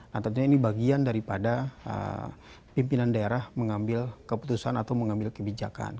nah tentunya ini bagian daripada pimpinan daerah mengambil keputusan atau mengambil kebijakan